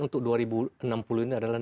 untuk dua ribu enam puluh ini adalah